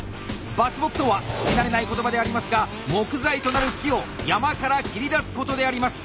伐木とは聞き慣れない言葉でありますが木材となる木を山から伐り出すことであります！